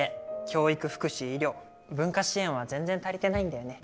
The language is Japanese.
教育福祉医療文化支援は全然足りてないんだよね。